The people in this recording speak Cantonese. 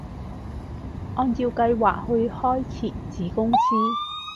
按照計劃去開設子公司